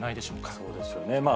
そうですよね。